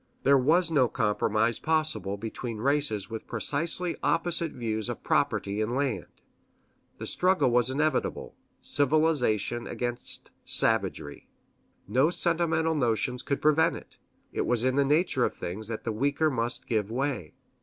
There was no compromise possible between races with precisely opposite views of property in land. The struggle was inevitable civilization against savagery. No sentimental notions could prevent it. It was in the nature of things that the weaker must give way.